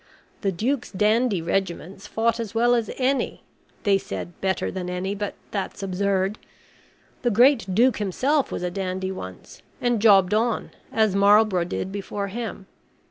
The Duke's dandy regiments fought as well as any (they said better than any, but that is absurd). The great Duke himself was a dandy once, and jobbed on, as Marlborough did before him.